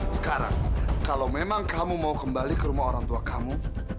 sekarang kalau memang kamu mau kembali ke rumah orang tua kamu